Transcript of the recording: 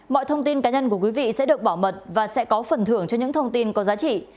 mọi thông tin cá nhân của quý vị sẽ được bảo mật và sẽ có phần thưởng cho những thông tin có giá trị